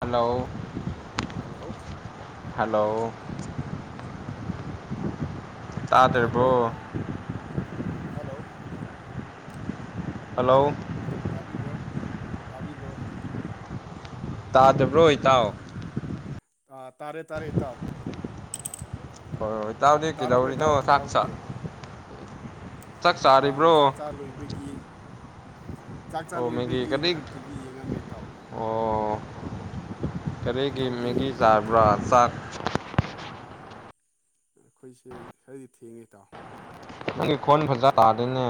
Hello hello hello [inaudible] ꯇꯥꯕ꯭ꯔꯣ ꯇꯥꯗꯔꯕꯣ hello hello hello ꯇꯥꯕꯤꯕ꯭ꯔꯣ ꯇꯥꯕꯤꯕ꯭ꯔꯣ ꯇꯥꯗꯕ꯭ꯔꯣꯏ ꯇꯥꯎ ꯑꯥ ꯇꯥꯔꯦ ꯇꯥꯔꯦ ꯏꯇꯥꯎ ꯍꯣꯏ ꯍꯣꯏ ꯇꯥꯎꯗꯤ ꯇꯥꯔꯕ ꯀꯩꯗꯧꯔꯤꯅꯣ ꯏꯇꯥꯎ ꯆꯥꯛ ꯆꯠ ꯏꯇꯥꯎꯒꯤꯗꯤ ꯆꯥꯛ ꯆꯥ ꯂꯣꯏꯕꯒꯤ ꯆꯥꯛ ꯑꯣ ꯃꯦꯒꯤ ꯆꯥꯂꯣꯏꯕꯒꯤ ꯀꯔꯤ ꯉꯥꯏꯍꯥꯛ ꯇꯤꯚꯤ ꯌꯦꯡꯉꯝꯃꯦ ꯇꯥꯎ ꯑꯣ ꯀꯔꯤꯒꯤ ꯏꯇꯥꯎꯗꯤ ꯃꯦꯒꯤ ꯀꯔꯤ ꯃꯊꯦꯜ ꯆꯥꯕ꯭ꯔꯥ ꯆꯥꯛ ꯑꯩꯈꯣꯏꯁꯦ ꯈꯔꯗꯤ ꯊꯦꯡꯉꯦ ꯇꯥꯎ ꯅꯪꯒꯤ ꯈꯣꯟ ꯐꯖꯥ ꯇꯥꯗꯣꯏꯅꯦ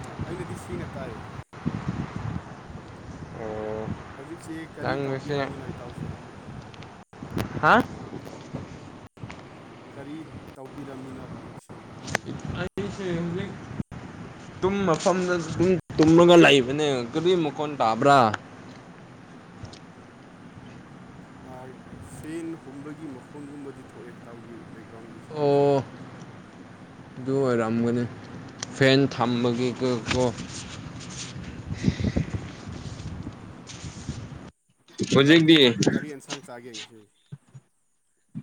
ꯑ ꯑꯩꯅꯗꯤ ꯁꯤꯅ ꯇꯥꯏꯌꯦ ꯑꯣ ꯍꯧꯖꯤꯛꯁꯤ ꯀꯔꯤ ꯅꯪ ꯉꯁꯤ ꯇꯧꯕꯤꯔꯝꯃꯤꯅꯣ ꯏꯇꯥꯎꯁꯦ ꯍꯥ ꯀꯔꯤ ꯇꯧꯕꯤꯔꯝꯃꯤꯅꯣ ꯍꯧꯖꯤꯛꯁꯦ ꯏꯇꯥꯎꯕꯨ ꯑꯩꯁꯦ ꯍꯧꯖꯤꯛ ꯇꯨꯝ ꯃꯐꯝꯗꯨꯝ ꯇꯨꯝꯃꯒ ꯂꯩꯕꯅꯦ ꯀꯔꯤ ꯃꯈꯣꯟ ꯇꯥꯕ꯭ꯔꯥ [inaudible] ꯐꯦꯟ ꯍꯨꯝꯕꯒꯤ ꯃꯈꯣꯟꯒꯨꯝꯕꯗꯤ ꯊꯣꯛꯑꯦ ꯇꯥꯎꯒꯤ ꯕ ꯗ꯭ꯔꯝꯒꯤ ꯑꯣ ꯁꯥꯎꯟꯁꯦ ꯑꯗꯨ ꯑꯣꯏꯔꯝꯒꯅꯤ ꯐꯦꯟ ꯊꯝꯕꯒꯤ ꯎꯝ ꯀꯣ ꯍꯣꯏ ꯏꯇꯧꯗꯤ ꯍꯧꯖꯤꯛꯇꯤ ꯀꯔꯤ ꯌꯦꯟꯁꯥꯡ ꯆꯥꯒꯦ ꯉꯁꯤ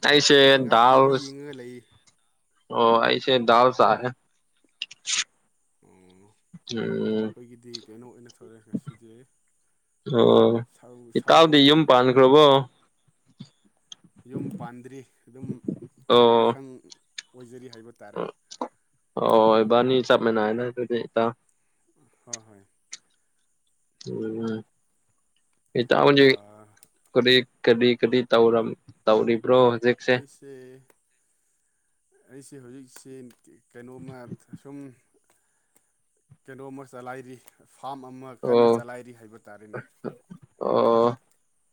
ꯇꯥꯏꯁꯦ ꯑꯩꯁꯤ ꯉꯥꯏꯍꯥꯛ ꯗꯜ ꯇꯤꯚꯤ ꯌꯦꯡꯉꯒ ꯂꯩ ꯑꯣ ꯑꯩ ꯁꯦ ꯗꯥꯂ ꯆꯥꯁꯦ ꯑꯣ ꯑꯩꯈꯣꯏꯒꯤꯗꯤ ꯀꯩꯅꯣ ꯑꯣꯏꯅ ꯊꯧꯔꯛꯑꯦ ꯉꯁꯤꯗꯤ ꯑꯣ ꯏꯇꯥꯎꯗꯤ ꯁꯧꯒꯔꯤ ꯌꯨꯝ ꯄꯥꯟꯈ꯭ꯔꯕꯣ ꯌꯨꯝ ꯄꯥꯟꯗ꯭ꯔꯤ ꯑꯗꯨꯝ ꯑꯣ ꯄꯥꯈꯪ ꯑꯣꯏꯖꯔꯤ ꯍꯥꯏꯕ ꯇꯥꯔꯦ ꯑꯣ ꯑꯈꯣꯌꯅꯤ ꯆꯞ ꯃꯥꯟꯅꯩ ꯅꯦ ꯑꯗꯨꯗꯤ ꯏꯇꯥꯎ ꯍꯣꯏ ꯍꯣꯏ ꯎꯝ ꯏꯇꯥꯎꯖꯦ ꯀꯔꯤ ꯀꯗꯤ ꯀꯗꯤ ꯇꯥꯎꯔꯝ ꯇꯧꯔꯤ ꯑꯩꯁꯦ ꯑꯩꯁꯦ ꯍꯧꯖꯤꯛꯁꯤ ꯀꯩꯅꯣꯝꯃ ꯁꯨꯝ ꯀꯩꯅꯣꯝꯃ ꯆꯂꯥꯏꯔꯤ ꯐꯥꯝ ꯑꯃ ꯀꯟꯅ ꯑꯣ ꯆꯂꯥꯏꯔꯤ ꯍꯥꯏꯕ ꯇꯥꯔꯦꯅꯦ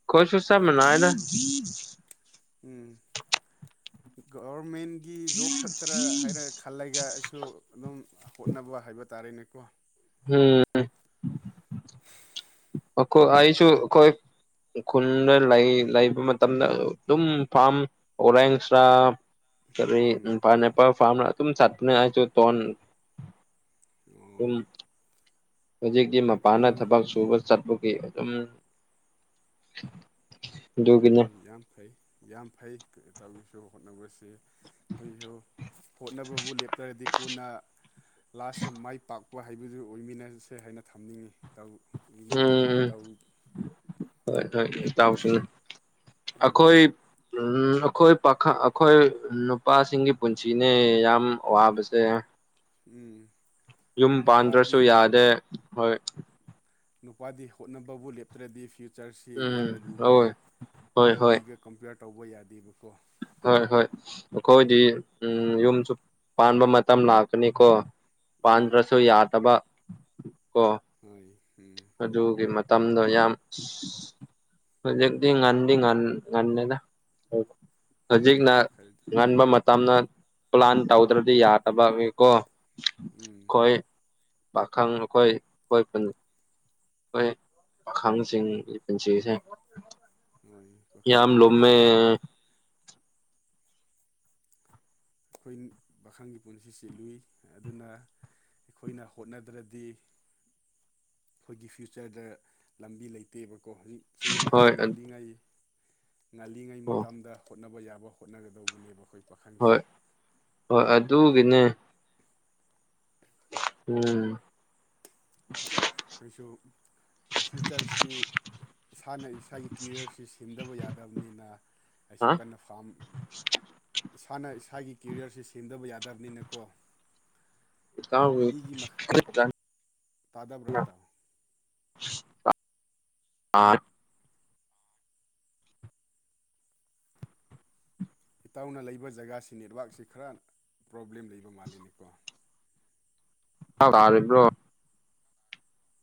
ꯈꯨꯁ ꯎꯁꯥ ꯄꯣꯜꯇ꯭ꯔꯤ ꯃꯅꯥꯑꯗ ꯐꯥꯝ ꯒꯕꯔꯃꯦꯟꯒꯤ ꯖꯣꯕ ꯈꯛꯇꯔꯥ ꯍꯥꯏꯅ ꯈꯜꯂꯒ ꯑꯩꯁꯨ ꯑꯗꯨꯝ ꯍꯣꯠꯅꯕ ꯍꯥꯏꯕ ꯇꯥꯔꯦꯅꯦꯀꯣ ꯎꯝ ꯑꯣꯈꯣꯏ ꯑꯁꯨꯨ ꯀꯣꯏ ꯈꯨꯟꯗ ꯂꯩ ꯂꯩꯕ ꯃꯇꯝꯗ ꯑꯗꯨꯝ ꯐꯥꯝ ꯑꯣꯔꯦꯡꯁ꯭ꯔꯥ ꯇ ꯎꯝ ꯄꯅꯦꯄꯥ ꯐꯥꯔꯃ ꯑꯗꯨ ꯆꯇꯅꯦ ꯍꯥꯏꯁꯨ ꯇ ꯑꯣ ꯎꯝ ꯍꯧꯖꯤꯛꯇꯤ ꯃꯄꯥꯟꯅ ꯑꯩꯈꯣꯏ ꯊꯕꯛ ꯁꯨꯕ ꯆꯠꯄꯒꯤ ꯑꯗꯨꯝ ꯎꯝ ꯑꯗꯨꯒꯤꯅꯦ ꯌꯥꯝ ꯌꯥꯝ ꯐꯩ ꯌꯥꯝ ꯐꯩ ꯇꯧꯒꯦꯁꯨ ꯍꯣꯠꯅꯕꯁꯤ ꯑꯩꯈꯣꯏꯁꯨ ꯍꯣꯠꯅꯕꯕꯨ ꯂꯦꯞꯇ꯭ꯔꯗꯤ ꯀꯣꯟꯅ ꯂꯥꯁꯇ ꯃꯥꯏ ꯄꯥꯛꯄ ꯍꯥꯏꯕꯗꯨ ꯑꯣꯏꯃꯤꯟꯅꯁꯦ ꯍꯥꯏꯅ ꯊꯝꯅꯤꯡꯏꯤ ꯒꯤ ꯎꯝ ꯃꯣꯠ ꯇꯧ ꯍ ꯇꯥꯎꯁ ꯎꯝ ꯑꯩꯈꯣꯏ ꯎꯝ ꯑꯩꯈꯣꯏ ꯄꯥꯈ ꯑꯩꯈꯣꯏ ꯅꯨꯄꯥꯁꯤꯡꯒꯤ ꯄꯨꯟꯁꯤꯅꯦ ꯌꯥꯝ ꯋꯥꯕꯁꯦ ꯎꯝ ꯌꯨꯝ ꯄꯥꯟꯗ꯭ꯔꯁꯨ ꯅꯨꯄꯥꯗꯤ ꯌꯥꯗꯦ ꯍꯣꯏ ꯅꯨꯄꯥꯗꯤ ꯍꯣꯠꯅꯕꯕꯨ ꯂꯦꯞꯇ꯭ꯔꯗꯤ ꯐ ꯀꯜꯆꯔꯁꯤ ꯎꯝ ꯌꯥꯝꯅ ꯂꯨꯕꯅꯤ ꯍꯣꯏ ꯍꯣꯏ ꯍꯣꯏ ꯅꯨꯄꯤꯒ ꯀꯝꯄꯤꯌꯔ ꯇꯧꯕ ꯌꯥꯗꯦꯕꯀꯣ ꯍꯣꯏ ꯍꯣꯏ ꯑꯩꯈꯣꯏꯗꯤ ꯎꯝ ꯌꯨꯝꯁꯨ ꯄꯥꯟꯕ ꯃꯇꯝ ꯂꯥꯛꯀꯅꯤꯀꯣ ꯎꯝ ꯄꯥꯟꯗ꯭ꯔꯁꯨ ꯌꯥꯗꯕ ꯀꯣ ꯍꯣꯏ ꯎꯝ ꯍꯖꯤꯨ ꯀꯤꯃꯠ ꯃꯇꯝꯗꯣ ꯌꯥꯝ ꯍꯧꯖꯤꯛꯇꯤ ꯉꯟꯗꯤ ꯉꯟꯅꯦꯗ ꯍꯣꯏ ꯍꯧꯖꯤꯛꯅ ꯈꯔ ꯉꯟꯕ ꯃꯇꯝꯅ ꯄ꯭ꯂꯥꯟ ꯇꯧꯗ꯭ꯔꯗꯤ ꯌꯥꯗꯕꯅꯤꯀꯣ ꯎꯝ ꯑꯩꯣꯏ ꯄꯥꯈꯪ ꯑꯩꯈꯣꯏ ꯑꯩꯈꯣꯏ ꯄꯨ ꯍꯣꯏ ꯄꯥꯈꯪꯁꯤꯡ ꯄꯨꯟꯁꯤꯁꯦ ꯍꯣꯏ ꯌꯥꯝ ꯄꯥꯈꯪꯒꯤ ꯑꯃ ꯂꯣꯝꯃꯦ ꯄꯨꯟꯁꯤꯁꯦ ꯑꯩꯈꯣꯏ ꯄꯥꯈꯪꯒꯤ ꯄꯨꯟꯁꯤꯁꯤ ꯂꯨꯏ ꯑꯗꯨꯅ ꯑꯩꯈꯣꯏꯅ ꯍꯣꯠꯅꯗ꯭ꯔꯗꯤ ꯑꯩꯈꯣꯏꯒꯤ ꯐ꯭ꯌꯨꯆꯔꯗ ꯂꯝꯕꯤ ꯂꯩꯇꯦꯕꯀꯣ ꯍꯧꯖꯤꯛꯁꯤꯡ ꯈꯔ ꯍꯣꯏ ꯉꯜꯂꯤꯉꯩ ꯉꯜꯂꯤꯉꯩ ꯑꯣ ꯃꯇꯝꯗ ꯍꯣꯠꯅꯕ ꯌꯥꯕ ꯍꯣꯠꯅꯒꯗꯧꯕꯅꯦꯕ ꯑꯩꯈꯣꯏ ꯍꯣꯏ ꯄꯥꯈꯪꯁꯦ ꯍꯣꯏ ꯑꯗꯨꯒꯤꯅꯦ ꯎꯝ ꯑꯩꯈꯣꯏꯁꯨ ꯐ꯭ꯌꯨꯆꯔꯁꯤ ꯏꯁꯥꯅ ꯏꯁꯥꯒꯤ ꯀꯦꯔꯤꯌꯔꯁꯤ ꯁꯦꯝꯗꯕ ꯌꯥꯗꯕꯅꯤꯅ ꯍꯥ ꯑꯩꯁꯨ ꯀꯟꯅ ꯐꯥꯝ ꯏꯁꯥꯅ ꯏꯁꯥꯒꯤ ꯀꯦꯔꯤꯌꯔꯁ ꯁꯦꯝꯗꯕ ꯌꯥꯗꯦ ꯌꯥꯕꯅꯤꯅꯀꯣ [inaudible] ꯇꯥꯗꯕ ꯔꯇꯥ ꯑꯥ ꯏꯇꯥꯎꯅ ꯂꯩꯕ ꯖꯒꯥꯁꯤ ꯅꯦꯠꯋꯥꯛꯁꯤ ꯈꯔ ꯄ꯭ꯔꯣꯕ꯭ꯂꯦꯝ ꯂꯩꯕ ꯃꯥꯜꯂꯤꯅꯤꯀꯣ ꯑ ꯑꯦꯕ꯭ꯔꯣ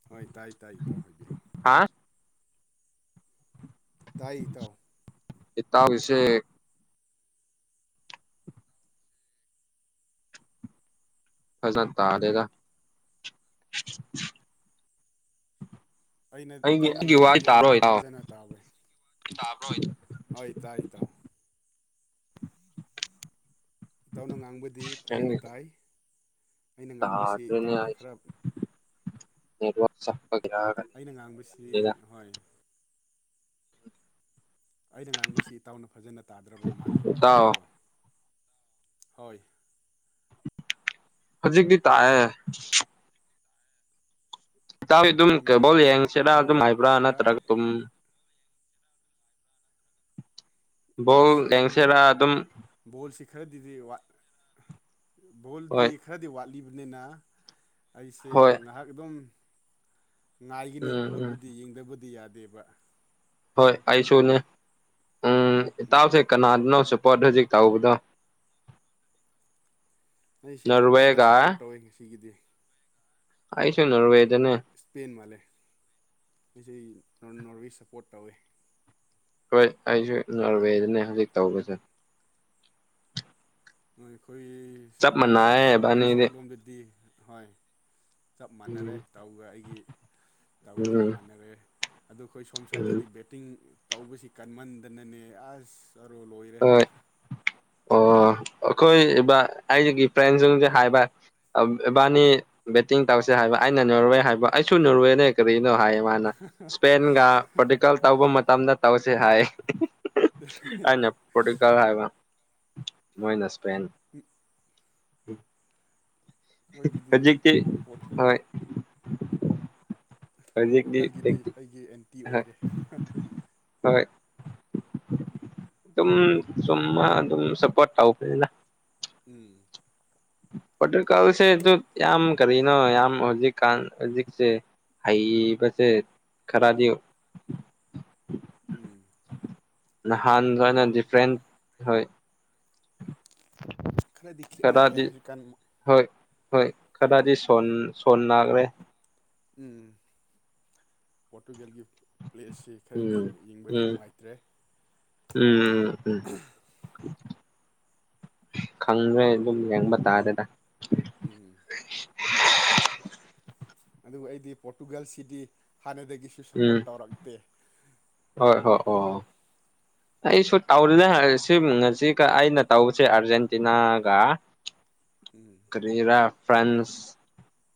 ꯍꯣꯏ ꯇꯥꯏ ꯇꯥꯏ ꯇꯥꯎ ꯍꯥꯏꯕꯤꯔꯛꯑꯣ ꯍꯥ ꯇꯥꯏ ꯇꯥꯎ ꯏꯠꯇꯕꯤꯁꯦ ꯐꯖꯟ ꯇꯥꯗꯦꯒ ꯑꯩꯅ ꯏꯇꯥꯎꯅ ꯉꯥꯡꯕꯗꯤ ꯑꯩꯅꯗꯤ ꯏꯇꯥꯎ ꯐꯖꯅ ꯇꯥꯕꯦ ꯍ ꯇꯥꯏ ꯇ ꯏꯇꯥꯎꯅ ꯉꯥꯡꯕꯗꯤ ꯐꯖꯅ ꯅꯪꯒꯤ ꯇꯥꯏ ꯑꯩꯅ ꯉꯥꯡꯕꯁꯤ ꯇꯥꯗ꯭ꯔꯦꯅꯦ ꯏꯇꯥꯎꯗ ꯈꯔ ꯅꯦꯠꯋꯁ ꯑꯩꯅ ꯉꯥꯡꯕꯁꯤ ꯍꯣꯏ ꯑꯩꯅ ꯉꯥꯡꯕꯁꯤ ꯏꯇꯥꯎꯅ ꯐꯖꯅ ꯇꯥꯗ꯭ꯔꯕ ꯃꯥꯜꯂꯦꯕ ꯏꯇꯥꯎ ꯑꯗꯨꯗꯤꯀꯣ ꯍꯣꯏ ꯍꯧꯖꯤꯛꯗꯤ ꯇꯦ ꯑꯗꯨꯝ ꯎꯝ ꯀꯦꯕꯣꯜ ꯌꯦꯡꯁꯤꯔꯥ ꯏꯇꯥꯎꯒꯤ ꯑꯗꯨꯝ ꯍꯥꯏꯕ꯭ꯔꯥ ꯅꯦꯠꯋꯥꯛꯅꯔ ꯅꯠꯇ꯭ꯔꯒ ꯑꯗꯨꯝ ꯕꯣꯜ ꯂꯦꯡꯁꯦꯔꯥ ꯑꯗꯨꯝ ꯈꯔꯥꯗꯤꯗꯤ ꯋꯥꯠ ꯍꯣꯏ ꯕꯣꯜꯗꯤ ꯈꯔꯥꯗꯤ ꯋꯥꯠꯂꯤꯕꯅꯤꯅ ꯑꯩꯁꯦ ꯍꯣꯏ ꯉꯥꯏꯍꯥꯛ ꯑꯗꯨꯝ ꯉꯥꯏꯒꯥꯅꯤ ꯎꯝ ꯎꯝ ꯕꯣꯜꯕꯨꯗꯤ ꯌꯦꯡꯗꯕꯗꯤ ꯌꯥꯗꯦꯕ ꯍꯣꯏ ꯑꯩꯁꯨꯅꯦ ꯎꯝ ꯎꯝ ꯏꯇꯥꯎꯁꯦ ꯀꯅꯥꯅꯣꯁꯨ ꯄꯣꯠ ꯍꯧꯖꯤꯛ ꯇꯥꯎꯕꯗꯣ ꯑꯩꯁꯤ ꯅꯣꯔꯋꯦꯗꯥ ꯁꯞꯄꯣꯔꯠ ꯇꯧꯋꯦ ꯉꯁꯤꯒꯤꯗꯤ ꯑꯩꯁꯨ ꯅꯣꯔꯋꯦ ꯏꯁꯄꯦꯟ ꯃꯥꯜꯂꯦ ꯑꯩꯁꯦ ꯑꯩ ꯅꯣꯔꯋꯦ ꯁꯞꯄꯣꯔꯠ ꯇꯧꯋꯦ ꯍꯣꯏ ꯑꯩꯁꯨ ꯅꯣꯔꯋꯦꯗꯅꯦ ꯍꯧꯖꯤꯛ ꯇꯧꯕꯁꯦ ꯑꯩꯈꯣꯏ ꯆꯞ ꯑꯩꯈꯣꯏ ꯁꯣꯝ ꯃꯥꯟꯅꯩꯌꯦ ꯁꯥꯏ ꯑꯩꯈꯣꯏ ꯏꯕꯥꯅꯤꯗꯤ ꯁꯥꯏꯠꯂꯣꯝꯗꯗꯤ ꯍꯣꯏ ꯆꯞ ꯃꯥꯟꯅꯔꯦ ꯎꯝ ꯏꯇꯥꯎꯒꯥ ꯑꯩꯒꯤ ꯇꯧꯒ ꯆꯞ ꯎꯝ ꯃꯥꯟꯅꯔꯦ ꯑꯗꯣ ꯑꯩꯈꯣꯏ ꯁꯣꯝ ꯎꯝ ꯁꯥꯏꯗꯗꯤ ꯕꯦꯠꯇꯤꯡ ꯇꯧꯕꯁꯤ ꯀꯟꯃꯟꯗꯅꯅꯦ ꯑꯁ ꯀꯥꯔꯣꯔ ꯂꯣꯏꯔꯦ ꯍꯣꯏ ꯑꯣ ꯑꯩꯈꯣꯏꯕ ꯑꯩꯒꯤ ꯐ꯭ꯔꯦꯟꯁꯤꯡꯁꯦ ꯍꯥꯏꯕ ꯎꯝ ꯏꯕꯥꯅꯤ ꯕꯦꯇꯤꯡ ꯇꯧꯁꯦ ꯍꯥꯏꯕ ꯑꯩꯅ ꯅꯣꯔꯋꯦ ꯍꯥꯏꯕ ꯑꯩꯁꯨ ꯅꯣꯔꯋꯦꯅꯦ ꯀꯔꯤꯅꯣ ꯍꯥꯏ ꯃꯥꯅ ꯏꯁꯄꯦꯟꯒ ꯄ꯭ꯔꯣꯇꯣꯒꯜ ꯇꯧꯕ ꯃꯇꯝꯗ ꯇꯧꯁꯦ ꯍꯥꯏ ꯑꯩꯈꯣꯏꯒꯤꯗꯤ ꯑꯩꯅꯥ ꯄ꯭ꯔꯣꯇꯣꯒꯜ ꯍꯥꯏꯕ ꯃꯣꯏꯅ ꯏꯁꯄꯦꯟ ꯍꯧꯖꯤꯛꯇꯤ ꯍꯣꯏ ꯍꯧꯖꯤꯛꯗꯤ ꯗꯤ ꯄꯣꯔꯇꯨꯒꯥꯜꯒꯤꯗꯤ ꯑꯩꯒꯤ ꯑꯦꯟꯇꯤ ꯍꯥ ꯑꯣꯏꯔꯦ ꯍꫭꯏ ꯇꯨꯝ ꯁꯨꯝ ꯑꯗꯨꯝ ꯁꯥꯄꯣꯔꯠ [unintelligible] ꯎꯝ ꯄ꯭ꯔꯣꯀꯩꯀꯜꯁꯦ ꯍꯟꯗꯛꯇꯤ ꯌꯥꯝ ꯀꯔꯤꯅꯣ ꯌꯝ ꯍꯧꯖꯤꯛꯀꯥꯟ ꯍꯧꯖꯤꯛꯁꯦ ꯍꯩꯕꯁꯦ ꯈꯔꯗꯤ ꯎꯝ ꯅꯍꯥꯟ ꯑꯣꯏꯅ ꯄꯣꯔꯇꯨꯒꯜ ꯗꯤꯐ꯭ꯔꯦꯟ ꯍꯣꯏ ꯈꯔꯗꯤ ꯈꯦꯠꯅꯔꯛꯑꯦ ꯈꯗꯥꯗꯤ ꯍꯧꯖꯤꯛꯀꯥꯟ ꯍꯣꯏ ꯍꯣꯏ ꯈꯗꯥꯗꯤ ꯁꯣꯟ ꯁꯣꯟ ꯅꯥꯈ꯭ꯔꯦ ꯎꯝ ꯄꯣꯇꯨꯒꯜꯒꯤ ꯄ꯭ꯂꯦꯁꯁꯤ ꯈꯔꯗꯤ ꯎꯝ ꯌꯦꯡꯕꯗꯤ ꯎꯝ ꯎꯝ ꯅꯨꯡꯉꯥꯏꯇ꯭ꯔꯦ ꯎꯝ ꯎꯝ ꯈꯪꯗ꯭ꯔꯦ ꯑꯗꯨꯝ ꯌꯦꯡꯕ ꯇꯥꯔꯦꯗ ꯎꯝ ꯑꯗꯨꯕꯨ ꯑꯩꯗꯤ ꯄꯣꯔꯇꯨꯒꯜꯁꯤꯗꯤ ꯍꯥꯟꯅꯗꯒꯤꯁꯨ ꯎꯝ ꯁꯄꯣꯔꯠ ꯇꯧꯔꯛꯇꯦ ꯍꯣꯏ ꯍꯣꯏ ꯑꯣ [unintelligible] ꯑꯩꯁꯨ [unintelligible] [unintelligible] ꯑꯩꯅ ꯇꯧꯕꯁꯦ ꯑꯥꯔꯖꯦꯟꯇꯤꯅꯥꯒ ꯎꯝ ꯀꯔꯤꯔꯥ ꯐ꯭ꯔꯥꯟꯁ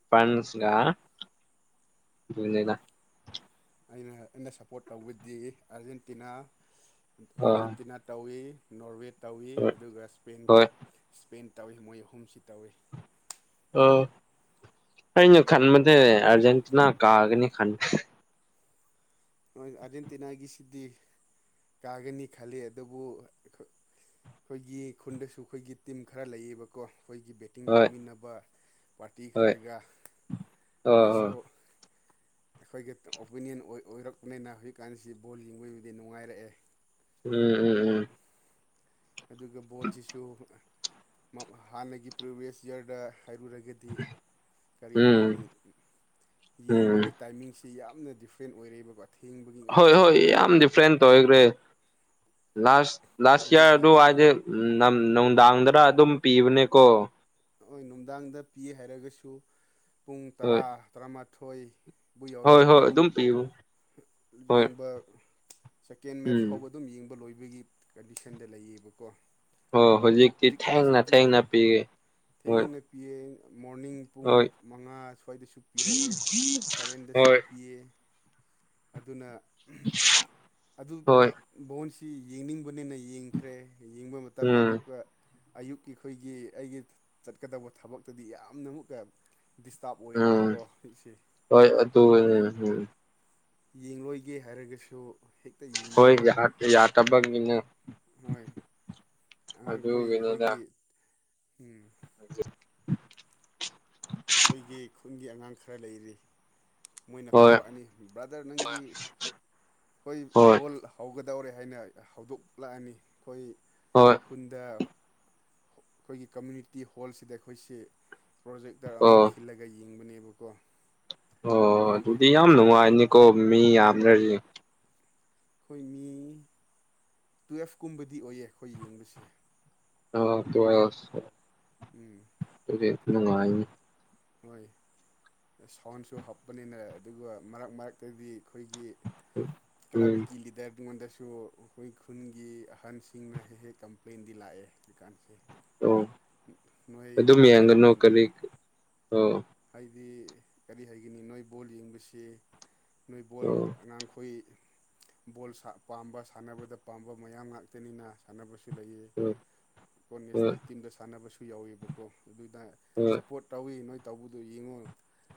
ꯐ꯭ꯔꯟꯁꯒꯥ ꯑꯣ [unintelligible] ꯑꯩꯅ ꯑꯩꯅ ꯁꯞꯄꯣꯔꯠ ꯇꯧꯕꯗꯤ ꯑꯥꯔꯖꯦꯟꯇꯤꯅꯥ ꯑꯥ ꯑꯥꯔꯖꯦꯟꯇꯤꯅꯥ ꯇꯧꯋꯤ ꯅꯣꯔꯋꯦ ꯇꯧꯋꯤ ꯍꯣꯏ ꯑꯗꯨꯒ ꯏꯁꯄꯦꯟ ꯍꯣꯏ ꯏꯁꯄꯦꯟ ꯇꯧꯋꯤ ꯃꯣꯏ ꯑꯍꯨꯝꯁꯤ ꯇꯧꯏꯤ ꯑꯥ ꯑꯩꯅꯥ ꯈꯟꯕꯗ ꯑꯔꯖꯦꯟꯇꯤꯅꯥ ꯀꯥꯒꯅꯤ [unintelligible] ꯑꯥꯔꯖꯦꯟꯇꯤꯅꯥꯒꯤꯁꯤꯗꯤ ꯀꯥꯒꯅꯤ ꯈꯜꯂꯤ ꯑꯗꯨꯕꯨ ꯑꯩꯈꯣꯏꯒꯤ ꯈꯨꯟꯗꯁꯨ ꯑꯩꯈꯣꯏꯒꯤ ꯇꯤꯝ ꯈꯔ ꯂꯩꯌꯦꯕꯀꯣ ꯑꯩꯈꯣꯏꯒꯤ ꯕꯦꯇꯤꯡ ꯍꯣꯏ ꯇꯧꯃꯤꯟꯅꯕ ꯄꯥꯔꯇꯤ ꯍꯣꯏ ꯈꯔꯥꯒ ꯑꯣ ꯃꯣꯏꯁꯨ ꯍꯣꯏ ꯑꯩꯈꯣꯏꯒꯤ ꯑꯣꯄꯤꯅꯤꯌꯟ ꯑꯣꯏꯔꯛꯄꯅꯤꯅ ꯍꯧꯖꯤꯛꯀꯥꯟꯁꯤ ꯕꯣꯜ ꯌꯦꯡꯕꯩꯕꯨꯗꯤ ꯅꯨꯡꯉꯥꯏꯔꯛꯑꯦ ꯎꯝ ꯎꯝ ꯎꯝ ꯑꯗꯨꯒꯥ ꯕꯣꯜꯁꯤꯁꯨ ꯍꯥꯟꯅꯒꯤ ꯄ꯭ꯔꯤꯚꯤꯌꯁ ꯏꯌꯥꯔꯗ ꯍꯥꯏꯔꯨꯔꯥꯒꯗꯤ ꯀꯔꯤ ꯍꯥꯏꯒꯅꯤ ꯎꯝ ꯎꯝ ꯌꯦꯡꯕꯒꯤ ꯇꯥꯏꯃꯤꯡꯁꯤ ꯁꯤ ꯌꯥꯝꯅ ꯗꯤꯐ꯭ꯔꯦꯟ ꯑꯣꯏꯔꯦꯕꯀꯣ꯫ ꯊꯦꯡꯕꯒꯤ ꯉꯥꯛꯇ ꯍꯣꯏ-ꯍꯣꯏ ꯌꯥꯝ ꯑꯣꯏꯔꯦꯕ ꯗꯤꯐ꯭ꯔꯦꯟ ꯇꫭꯏꯒ꯭ꯔꯦ꯫ ꯂꯥꯁ ꯂꯥꯁ ꯏꯌꯥꯔ ꯑꯗꯨ ꯑꯗꯨꯒꯤ ꯋꯥꯏꯗ ꯅꯝ ꯅꯨꯡꯗꯥꯡꯗꯔ ꯑꯗꯨꯝ ꯄꯤꯕꯅꯦꯀꯣ꯫ ꯍꫭꯏ ꯅꯨꯡꯗꯥꯡꯗ ꯄꯤꯑꯦ ꯍꯥꯏꯔꯒꯁꯨ ꯄꯨꯡ ꯇꯔꯥ ꯍꯣꯏ ꯇꯔꯥꯃꯥꯊꯣꯏ ꯕꯨ ꯍꯣꯏ ꯌꯧꯔꯒꯗꯤ ꯍꯣꯏ ꯑꯗꯨꯝ ꯄꯤꯕꯨ꯫ ꯌꯦꯡꯕ ꯁꯦꯀꯦꯟ ꯃꯦꯠꯆ ꯎꯝ ꯐꯥꯎꯕ ꯑꯗꯨꯝ ꯌꯦꯡꯕ ꯂꯣꯏ꯫ ꯈꫭꯏꯒꯤ ꯀꯟꯗꯤꯁꯟꯗ ꯂꯩꯌꯦꯕꯀꯣ ꯑꯣ ꯍꯧꯖꯤꯛꯇꯤ ꯍꯧꯖꯤꯛꯀꯥꯟꯁꯤꯗꯤ ꯊꯦꯡꯅ-ꯊꯦꯡꯅ ꯄꯤ꯫ ꯊꯦꯡꯅ ꯄꯤꯌꯦꯡ ꯃꯣꯔꯅꯤꯡ ꯄꯨꯡ ꯃꯉꯥ ꯁ꯭ꯋꯥꯏꯗꯁꯨ ꯄꯤꯔꯛꯑꯦ ꯁꯚꯦꯟꯗꯁꯨ ꯍꯣꯏ ꯄꯤꯌꯦ꯫ ꯑꯗꯨꯅ ꯑꯗꯨ ꯍꯣꯏ ꯄꯨꯂꯞ ꯕꯣꯟꯁꯤ ꯌꯦꯡꯅꯤꯡ ꯕꯅꯤꯅ ꯌꯦꯡꯈ꯭ꯔꯦ ꯌꯦꯡꯕ ꯃꯇꯝꯗ ꯎꯝ ꯑꯃꯨꯛꯀ ꯑꯌꯨꯛꯀꯤ ꯑꯩꯈꯣꯏꯒꯤ ꯑꯩꯒꯤ ꯆꯠꯀꯗꯕ ꯊꯕꯛꯇꯗꯤ ꯌꯥꯝꯅ ꯑꯃꯨꯛꯀ ꯗꯤꯁꯇꯥꯔꯕ ꯎꯝ ꯑꯣꯏꯔꯕꯀꯣ ꯍꯧꯖꯤꯛꯁꯦ ꯍꯣꯏ ꯑꯗꯨꯝ ꯌꯦꯡꯂꯣꯏꯒꯦ ꯍꯥꯏꯔꯒꯁꯨ ꯍꯦꯛ ꯍꯣꯏ ꯌꯥ ꯌꯥꯇꯕꯒꯤꯅꯦ꯫ ꯍꯣꯏ ꯑꯉꯥꯡꯈꯣꯏ ꯑꯩꯈꯣꯏꯒꯤ ꯑꯗꯨꯒꯤꯅꯤꯗ ꯎꯝ [inaudible] ꯑꯩꯈꯣꯏꯒꯤ ꯈꯨꯟꯒꯤ ꯑꯉꯥꯡ ꯈꯔ ꯂꯩꯔꯤ꯫ ꯃꯣꯏꯅ ꯍꯣꯏ ꯀꯧꯔꯛꯑꯅꯤ ꯕ꯭ꯔꯥꯗꯔ ꯅꯪꯒꯤ ꯍꯣꯏ ꯕꯣꯜ ꯍꯧꯒ ꯇꯧꯔꯦ ꯍꯥꯏꯅ ꯍꯧꯗꯣꯛꯂꯛꯑꯅꯤ ꯑꯩꯈꯣꯏ ꯍꯣꯏ ꯈꯨꯟꯗ ꯑꯈꯣꯏꯒꯤ ꯀꯝꯃꯨꯅꯤꯇꯤ ꯍꯣꯜꯁꯤꯗ ꯑꯩꯈꯣꯏꯁꯦ ꯄ꯭ꯔꯣꯖꯦꯛꯇꯔ ꯑꯃ ꯑꯣ ꯈꯤꯜꯂꯒ ꯌꯦꯡꯕꯅꯦ꯫ ꯑꯗꯨꯀꯣ ꯑꯣ ꯑꯗꯨꯗꯤ ꯌꯥꯝ ꯅꯨꯡꯉꯥꯏꯅꯤꯀꯣ ꯃꯤ ꯌꯥꯝꯔꯗꯤ꯫ ꯑꯈꯣꯏ ꯃꯤ ꯇꯨꯋꯦꯜꯐꯀꯨꯝꯕꯗꯤ ꯑꯣꯏꯌꯦ ꯑꯩꯈꯣꯏ ꯌꯦꯡꯕꯁꯦ꯫ ꯑꫭ ꯇꯨꯋꯦꯜꯐ꯫ ꯎꯝ꯫ ꯗꯤ ꯅꯨꯡꯉꯥꯏꯅꯤ꯫ ꯍꯣꯏ ꯁꯥꯎꯟꯁꯨ ꯍꯥꯞꯄꯅꯤꯅ ꯑꯗꯨꯒ ꯃꯔꯛ ꯃꯔꯛꯇꯗꯤ ꯑꯈꯣꯏꯒꯤ ꯎꯝ ꯀ꯭ꯂꯕꯀꯤ ꯂꯤꯗꯔ ꯉꯣꯟꯗꯁꯨ ꯁꯨ ꯑꯩꯈꯣꯏ ꯈꯨꯟꯒꯤ ꯑꯍꯟꯁꯤꯡꯅ ꯍꯦꯛ-ꯍꯦꯛ ꯀꯝꯄ꯭ꯂꯦꯟꯗꯤ ꯂꯥꯛꯑꯦ ꯍꯧꯖꯤꯀꯥꯟꯁꯦ꯫ ꯑꯣ ꯅꫭꯏ ꯑꯗꯨꯝ ꯕꫭꯜ ꯌꯦꯡꯒꯅꯨ ꯌꯦꯡꯕꯨꯗꯤ ꯀꯔꯤ ꯑꯣ ꯍꯥꯏꯗꯤ ꯀꯔꯤ ꯍꯥꯏꯒꯅꯤ ꯅꯣꯏ ꯕꯣꯜ ꯌꯦꯡꯕꯁꯤ ꯅꯣꯏ ꯕꯣꯜ ꯑꯣ ꯑꯉꯥꯡꯈꯣꯏ ꯕꯣꯜ ꯁꯥ ꯄꯥꯝꯕ ꯁꯥꯟꯅꯕꯗ ꯄꯥꯝꯕ ꯃꯌꯥꯝ ꯉꯥꯛꯇꯅꯤꯅ ꯁꯥꯟꯅꯕꯁꯨ ꯄꯤ ꯂꯩꯌꯦ ꯍꯣꯏ ꯀꯣ ꯍꯣꯏ ꯅꯦꯁꯅꯦꯜ ꯇꯤꯝꯗ ꯁꯥꯟꯅꯕꯁꯨ ꯌꯥꯎꯋꯦꯕꯀꯣ ꯑꯗꯨꯗ ꯍꯣꯏ ꯁꯞꯄꯣꯔꯠ ꯇꯧꯋꯤ ꯅꯣꯏ ꯇꯧꯕꯗꯨꯣ ꯌꯦꯡꯉꯣ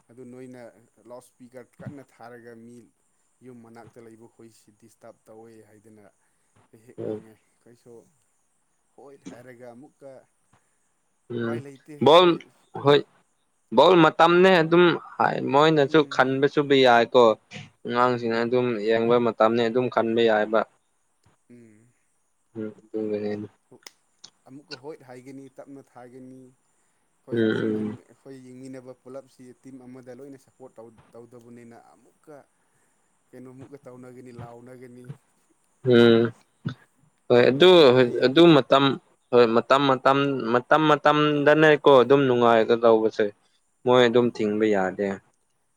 ꯑꯗꯨ ꯅꯣꯏꯅ ꯂꯥꯎꯠ ꯁ꯭ꯄꯤꯀꯔ ꯀꯟꯅ ꯊꯥꯔꯒ ꯃꯤ ꯌꯨꯝ ꯃꯅꯥꯛꯇ ꯂꯩꯕꯈꯣꯏꯁꯤ ꯗꯤꯁꯇꯥꯔꯕ ꯇꯧꯋꯦ ꯍꯥꯏꯗꯅ ꯍꯦꯛ -ꯦꯛ ꯍꯣꯏ ꯉꯥꯡꯉꯦ ꯈꫭꯏꯁꯨ ꯍꯣꯏ ꯍꯥꯏꯔꯒ ꯑꯃꯨꯛꯀ ꯎꯝ ꯎꯄꯥꯏ ꯂꯩꯇꯦ ꯕꯣꯜ ꯑꯩꯈꯣꯏ ꯍꯣꯏ ꯕꯣꯜ ꯃꯇꯝꯅꯦ ꯑꯗꯨꯝ ꯍꯥꯏ ꯃꯣꯏꯅꯁꯨ ꯎꯝ ꯈꯟꯕꯁꯨꯕ ꯌꯥꯏ꯫ ꯀꯣ ꯑꯉꯥꯡꯁꯤꯡꯅ ꯑꯗꯨꯝ ꯌꯦꯡꯕ ꯃꯇꯝꯅꯤ ꯑꯗꯨꯝ ꯈꯟꯕ ꯌꯥꯏꯕ꯫ ꯎꯝ꯫ [unintelligible] [inaudible] ꯑꯃꯨꯛꯀ ꯍꯣꯏꯠ ꯍꯥꯏꯒꯅꯤ ꯇꯞꯅ ꯊꯥꯒꯅꯤ꯫ ꯍꯣꯏ ꯎꯝ ꯇꯤꯝ ꯎꯝ ꯑꯝ ꯍꯣꯏ ꯌꯦꯡꯃꯤꯟꯅ ꯕ ꯄꯨꯂꯞꯁꯤ ꯇꯤꯝ ꯑꯃꯗ ꯂꯣꯏꯅ ꯁꯞꯄꯣꯔꯠ ꯇꯧ ꯇꯧꯗꯕꯅꯤꯅ ꯑꯃꯨꯛꯀ ꯀꯩꯅꯣꯃꯨꯛꯀ ꯇꯧꯅꯒꯅꯤ ꯂꯥꯎꯅꯒꯅꯤ꯫ ꯎꯝ ꯍꯣꯏ ꯑꯗꯨ ꯅꯨꯡꯁꯨ ꯅꯨꯡꯉꯥꯏꯌꯦ ꯑꯗꯨ ꯃꯇꯝ ꯍꯣꯏ ꯃ ꯃꯇꯝ-ꯃꯇꯝ ꯃꯇꯝ ꯎꯝ ꯃꯇꯝꯗꯅꯦꯀꯣ ꯑꯗꯨꯝ ꯅꯨꯡꯉꯥꯏꯒ ꯇꯧꯕꯁꯦ꯫ ꯃꯣꯏ ꯍꯣꯏ ꯑꯗꯨꯝ ꯊꯤꯡꯕ ꯌꯥꯗꯦ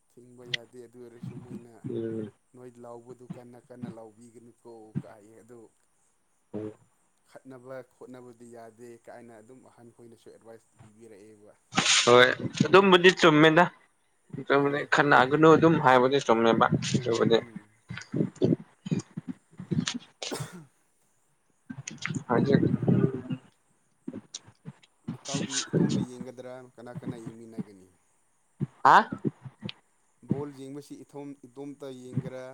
ꯊꯤꯡꯕ ꯌꯥꯗꯦ ꯑꯗꯨ ꯑꯣꯏꯔꯁꯨ ꯃꯣꯏꯅ ꯎꯝ ꯅꯣꯏ ꯂꯥꯎꯕꯗꯨ ꯀꯟꯅ ꯀꯟꯅ ꯂꯥꯎꯕꯤꯒꯅꯨ ꯀꯣ ꯀꯑꯌꯦ ꯑꯗꯨ ꯎꯝ ꯈꯠꯅꯕ ꯈꯣꯠꯅꯕꯗꯤ ꯌꯥꯗꯦ ꯀꯥꯏꯅ ꯑꯗꯨꯝ ꯑꯍꯥꯟꯈꯣꯏꯅꯁꯨ ꯑꯦꯗꯚꯥꯏꯁ ꯄꯤꯕꯤꯔꯛꯑꯦ ꯍꯣꯏ ꯑꯗꯨꯝꯕꯗꯤ ꯆꯨꯝꯃꯦꯗ ꯆꯨꯝꯃꯤ ꯍꯣꯏ ꯈꯟꯅꯥꯒꯅꯨ ꯑꯗꯨꯝ ꯍꯥꯏꯥꯏꯕꯖꯦ ꯇꯣꯝꯅꯖꯦ ꯎꯝ ꯎ ꯍꯥꯏ ꯏꯇꯥꯎꯗꯤ ꯏꯇꯣꯝꯗ ꯌꯦꯡꯒꯗ꯭ꯔꯥ ꯀꯅꯥ ꯀꯅꯥ ꯌꯦꯡꯃꯤꯟꯅꯒꯅꯤ ꯍꯥ ꯕꯣꯜ ꯌꯦꯡꯕꯁꯤ ꯏꯊꯣꯝ ꯏꯇꯣꯝꯇ ꯌꯦꯡꯒꯦꯔꯥ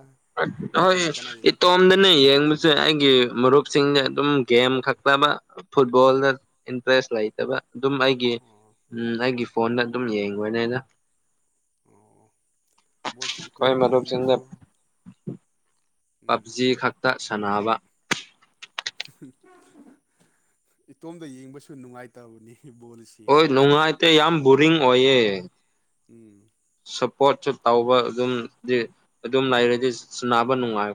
ꯃꯤ ꯍꯣꯏ ꯀꯅꯥ ꯀꯅꯥ ꯌꯦꯡ ꯏꯇꯣꯝꯗꯅꯦ ꯌꯦꯡꯕꯁꯦ ꯑꯩꯒꯤ ꯃꯔꯨꯞꯁꯤꯡꯗ ꯑꯗꯨꯝ ꯒꯦꯝ ꯈꯛꯇꯕ ꯐꯨꯠꯕꯣꯜꯗ ꯏꯟꯇꯔꯦꯁ ꯂꯩꯇꯕ ꯑꯗꯨꯝ ꯑꯩꯒꯤ ꯑꯣ ꯎꯝ ꯑꯩꯒꯤ ꯐꯣꯟꯗ ꯑꯗꯨꯝ ꯌꯦꯡꯈꯣꯏꯅꯦ ꯑꯩꯅ ꯑꯣ ꯕꯣꯠꯁꯨ ꯑꯩꯈꯣꯏ ꯏꯇꯣꯝꯗ ꯃꯔꯨꯞꯁꯤꯡꯗ ꯌꯦꯡꯕꯁꯨ ꯎꯝ ꯄꯞꯖꯤ ꯈꯛꯇ ꯁꯥꯟꯅꯕ ꯏꯇꯣꯝꯗ ꯌꯦꯡꯕꯁꯨ ꯅꯨꯡꯉꯥꯏꯇꯕꯅꯤ ꯕꯣꯜꯁꯤ ꯍꯣꯏ ꯅꯨꯡꯉꯥꯏꯇ ꯌꯥꯝ ꯕꯣꯔꯤꯡ ꯑꯣꯏꯌꯦꯦ ꯎꯝ ꯄꯣꯠꯁꯨ ꯇꯧꯕ ꯑꯗꯨꯝ ꯑꯗꯨꯝ ꯂꯩꯔꯗꯤ ꯁꯟꯅꯕ ꯅꯨꯡꯉꯥꯏ